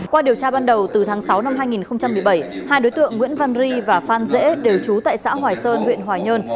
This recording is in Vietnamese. qua điều tra ban đầu từ tháng sáu năm hai nghìn một mươi bảy hai đối tượng nguyễn văn ri và phan rễ đều trú tại xã hoài sơn huyện hoài nhơn